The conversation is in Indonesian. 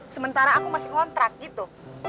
sementara aku masih ngontrak gitu